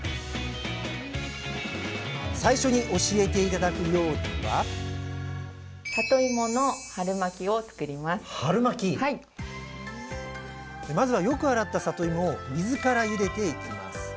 最初に教えて頂く料理はまずはよく洗ったさといもを水からゆでていきます。